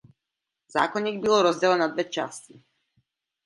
Zákoník byl rozdělen na dvě části.